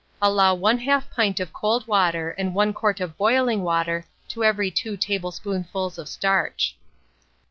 Allow 1/2 pint of cold water and 1 quart of boiling water to every 2 tablespoonfuls of starch.